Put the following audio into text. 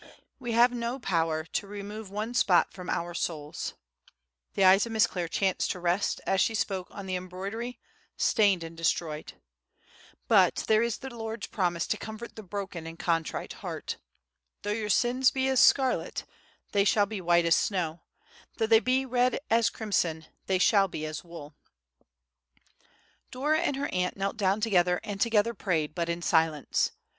We have no power to remove one spot from our souls;" the eyes of Miss Clare chanced to rest, as she spoke, on the embroidery, stained and destroyed; "but there is the Lord's promise to comfort the broken and contrite heart, 'Though your sins be as scarlet, they shall be white as snow—though they be red as crimson, they shall be as wool.'" Dora and her aunt knelt down together and together prayed, but in silence.